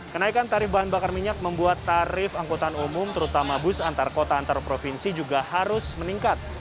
kenaikan tarif bahan bakar minyak membuat tarif angkutan umum terutama bus antar kota antar provinsi juga harus meningkat